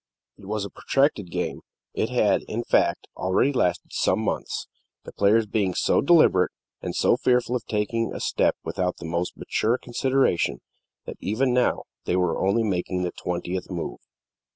It was a protracted game; it had, in fact, already lasted some months the players being so deliberate, and so fearful of taking a step without the most mature consideration, that even now they were only making the twentieth move.